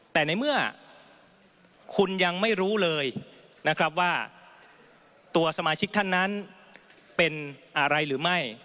แต่ในเมื่อคุณยังไม่รู้เลยนะครับว่าตัวสมาชิกท่านนั้นเป็นอะไรหรือไม่